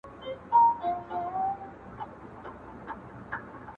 د طبیعت په تقاضاوو کي یې دل و ول کړم.